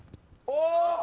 お！